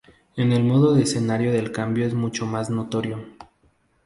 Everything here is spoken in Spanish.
En el modo de escenario el cambio es mucho más notorio.